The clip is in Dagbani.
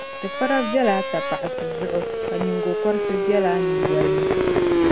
Tibikpara viɛl’ a tapaɣisi zuɣu ka nyiŋgokɔrisi viɛl’ a nyiŋgoli ni.